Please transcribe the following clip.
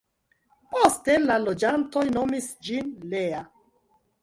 Poste la loĝantoj nomis ĝin Lea.